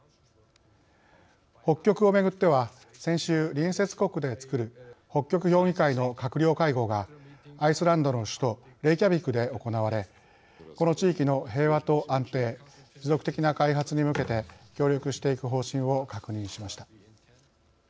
北極をめぐっては先週隣接国でつくる北極評議会の閣僚会合がアイスランドの首都レイキャビクで行われこの地域の平和と安定持続的な開発に向けて協力していく方針を確認しました。